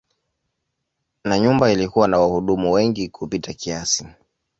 Na nyumba ilikuwa na wahudumu wengi kupita kiasi.